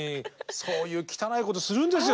そういう汚いことするんですよ